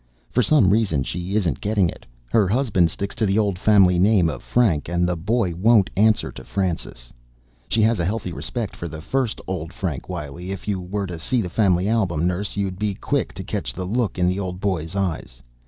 For some reason she isn't getting it. Her husband sticks to the old family name of Frank and the boy won't answer to Francis. "She has a healthy respect for the first old Frank Wiley. If you were to see the family album, nurse, you'd be quick to catch the look in the old boy's eyes.